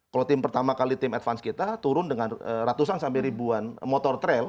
kalau pertama kali tim advance kita turun dengan ratusan sampai ribuan motor trail